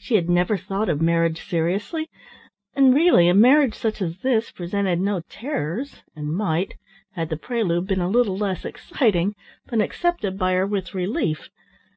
She had never thought of marriage seriously, and really a marriage such as this presented no terrors and might, had the prelude been a little less exciting, been accepted by her with relief.